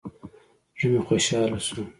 زړه مې خوشاله سو.